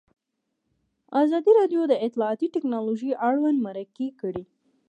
ازادي راډیو د اطلاعاتی تکنالوژي اړوند مرکې کړي.